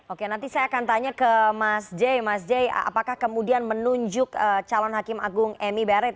oke nanti saya akan tanya ke mas j mas j apakah kemudian menunjuk calon hakim agung emi bere